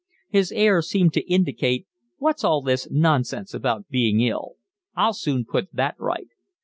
His air seemed to indicate: What's all this nonsense about being ill? I'll soon put that right.